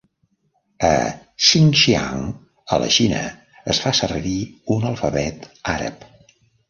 A Xinjiang, a la Xina, es fa servir un alfabet àrab.